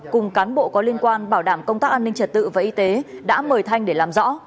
cùng cán bộ có liên quan bảo đảm công tác an ninh trật tự và y tế đã mời thanh để làm rõ